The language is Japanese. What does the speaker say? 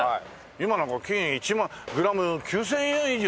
今なんか金グラム９０００円以上ですから。